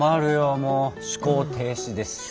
もう思考停止です。